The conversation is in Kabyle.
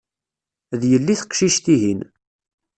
D yelli teqcict-ihin.